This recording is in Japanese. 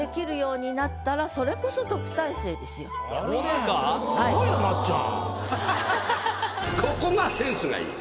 すごいななっちゃん。